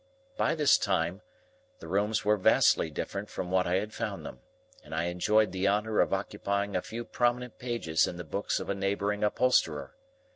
By this time, the rooms were vastly different from what I had found them, and I enjoyed the honour of occupying a few prominent pages in the books of a neighbouring upholsterer.